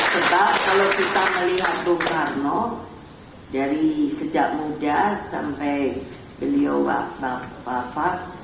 sebab kalau kita melihat soekarno dari sejak muda sampai beliau wafat